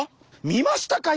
見ましたか？